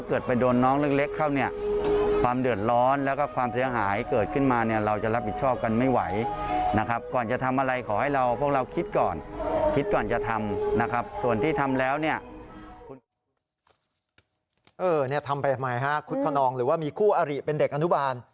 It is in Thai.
เออทำใหม่ครับคุณคนองหรือว่ามีคู่อริเป็นเด็กอนุบาล